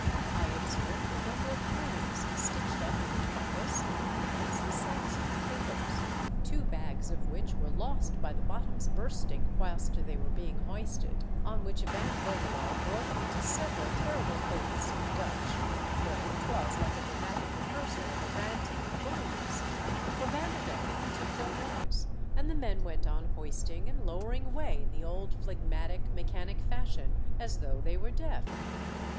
I observed a number of hams stitched up in canvas, and some sacks of potatoes, two bags of which were lost by the bottoms bursting whilst they were being hoisted, on which Van Vogelaar broke into several terrible oaths in Dutch, though 'twas like a dramatic rehearsal of a ranting and bullying scene, for Vander decken took no notice and the men went on hoisting and lowering away in the old phlegmatic, mechanic fashion as though they were deaf.